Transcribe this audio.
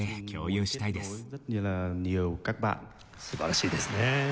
素晴らしいですね。